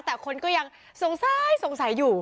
แต่คนก็ยังสงสัยสงสัยอยู่